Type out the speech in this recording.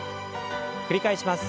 繰り返します。